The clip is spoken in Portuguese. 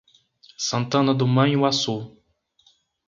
Santana do Manhuaçu